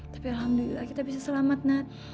tapi alhamdulillah kita bisa selamat nak